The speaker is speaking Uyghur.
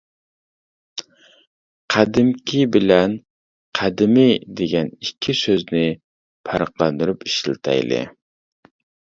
«قەدىمكى» بىلەن «قەدىمىي» دېگەن ئىككى سۆزنى پەرقلەندۈرۈپ ئىشلىتەيلى.